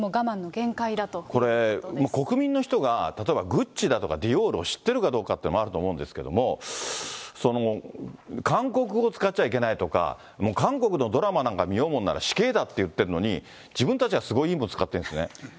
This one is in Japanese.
これ、国民の人が例えばグッチだとか、ディオールを知ってるかどうかっていうのもあると思うんですけども、韓国語を使っちゃいけないとか、韓国のドラマなんか見ようもんなら死刑だっていってるのに、自分たちはすごいいいもん使ってるんですね。